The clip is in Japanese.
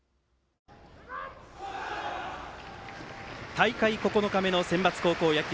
大会９日目のセンバツ高校野球。